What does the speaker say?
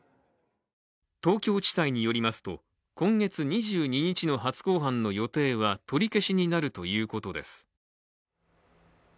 東京地裁によりますと今月２２日の初公判の予定は取り消しになるということです。